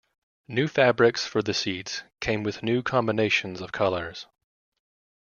New fabrics for the seats came with new combinations of colors.